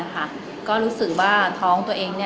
ก็รู้สึกว่าท้องตัวเอง